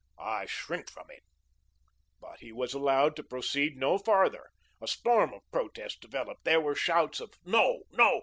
I shrink from it " But he was allowed to proceed no farther. A storm of protest developed. There were shouts of: "No, no.